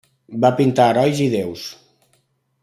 Va pintar herois i deus.